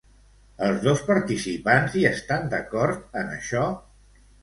Els dos participants hi estan d'acord en això?